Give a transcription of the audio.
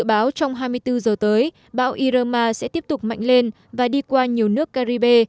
dự báo trong hai mươi bốn giờ tới bão irama sẽ tiếp tục mạnh lên và đi qua nhiều nước caribe